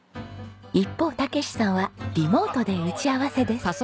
一方武史さんはリモートで打ち合わせです。